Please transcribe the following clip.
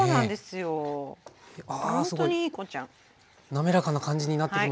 滑らかな感じになってきました。